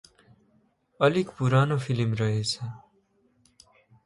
अलिक पुरानो फिलिम रहेछ ।